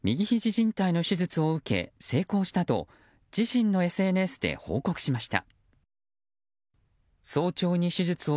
じん帯の手術を受け成功したと自身のＳＮＳで報告しました。